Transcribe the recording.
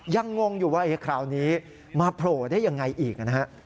ยังงงอยู่ว่าคราวนี้มาโปรดได้ยังไงอีก